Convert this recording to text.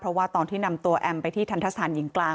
เพราะว่าตอนที่นำตัวแอมไปที่ทันทสถานหญิงกลาง